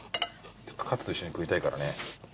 カツと一緒に食いたいからね。